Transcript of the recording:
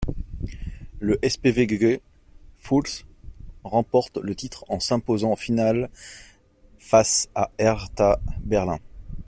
Le SpVgg Furth remporte le titre en s'imposant en finale face au Hertha Berlin.